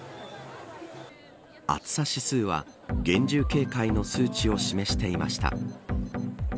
暑さ指数は厳重警戒の数値を示していました。